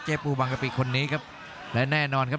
ปูบังกะปิคนนี้ครับและแน่นอนครับ